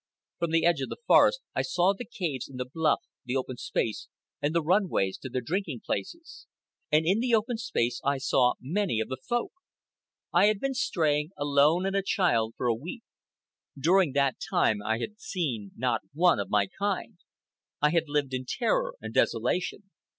From the edge of the forest I saw the caves in the bluff, the open space, and the run ways to the drinking places. And in the open space I saw many of the Folk. I had been straying, alone and a child, for a week. During that time I had seen not one of my kind. I had lived in terror and desolation.